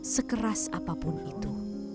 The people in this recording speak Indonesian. sekeras apapun itu